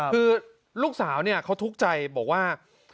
คือลูกสาวเนี่ยเขาทุกข์ใจบอกว่า